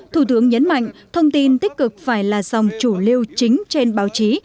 thủ tướng nhấn mạnh thông tin tích cực phải là dòng chủ liêu chính trên báo chí